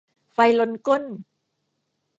ไฟลนก้น